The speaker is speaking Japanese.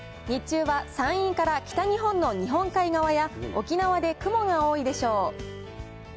日中は山陰から北日本の日本海側や、沖縄で雲が多いでしょう。